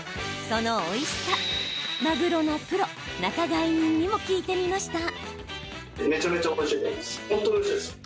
そのおいしさ、マグロのプロ仲買人にも聞いてみました。